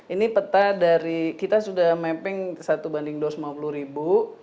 ini peta dari kita sudah mapping satu banding dua ratus lima puluh ribu